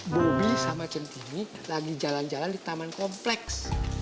bobby sama centine lagi jalan jalan di taman kompleks